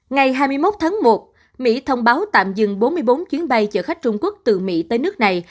ngày hai mươi một tháng một mỹ thông báo tạm dừng bốn mươi bốn chuyến bay chở khách trung quốc từ mỹ tới nước này